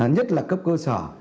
nhất là cấp cơ sở